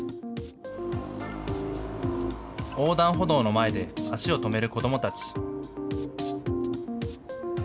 横断歩道の前で足を止める子どもたち。